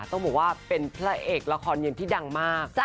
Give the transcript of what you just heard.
ต้องบอกว่าเป็นพระเอกละครเย็นที่ดังมาก